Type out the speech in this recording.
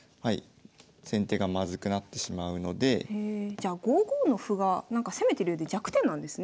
じゃあ５五の歩が攻めてるようで弱点なんですね。